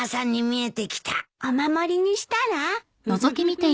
お守りにしたら？